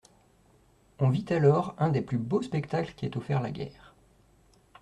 On vit alors un des plus beaux spectacles qu'aient offerts la guerre.